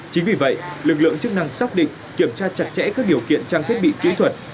chính vì vậy lực lượng chức năng xác định kiểm tra chặt chẽ các điều kiện trang thiết bị kỹ thuật